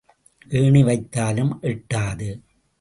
ஏணி வைத்தாலும் எட்டாது.